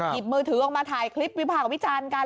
หยิบมือถือออกมาถ่ายคลิปวิพากับพี่จันกัน